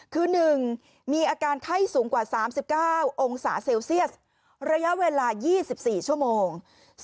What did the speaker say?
คือ๑มีอาการไข้สูงกว่า๓๙องศาเซลเซียสระยะเวลา๒๔ชั่วโมง